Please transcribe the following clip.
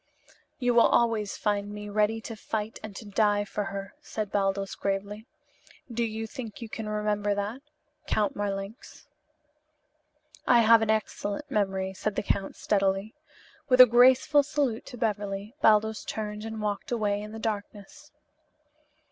"You will always find me ready to fight and to die for her" said Baldos gravely. "Do you think you can remember that. Count Marlanx?" "I have an excellent memory," said the count steadily. With a graceful salute to Beverly, Baldos turned and walked away in the darkness.